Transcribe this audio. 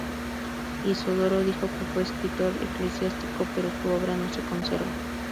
Isidoro dijo que fue escritor eclesiástico, pero su obra no se conserva.